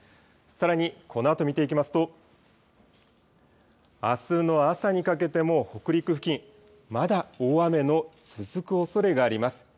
さらにこのあと見ていきますと、あすの朝にかけても、北陸付近、まだ大雨の続くおそれがあります。